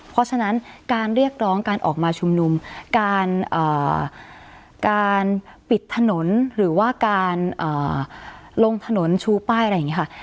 เพราะฉะนั้นการเรียกร้องการออกมาชุมนุมการปิดถนนหรือว่าการลงถนนชูป้ายอะไรอย่างนี้ค่ะ